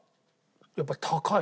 やっぱり高い。